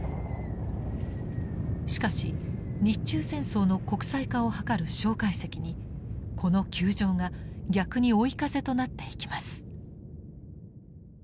しかし日中戦争の国際化を図る介石にこの窮状が逆に追い風となっていきます。